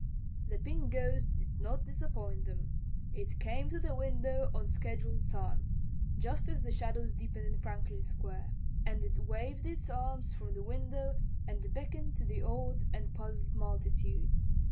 The Pink Ghost did not disappoint them. It came to the window on scheduled time just as the shadows deepened in Franklin Square and it waved its arms from the window and beckoned to the awed and puzzled multitude.